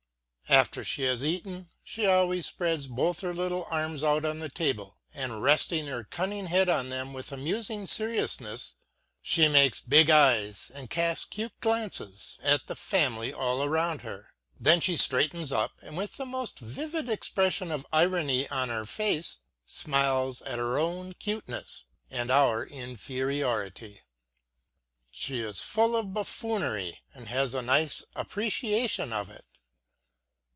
After she has eaten she always spreads both her little arms out on the table, and resting her cunning head on them with amusing seriousness, she makes big eyes and casts cute glances at the family all around her. Then she straightens up and with the most vivid expression of irony on her face, smiles at her own cuteness and our inferiority. She is full of buffoonery and has a nice appreciation of it.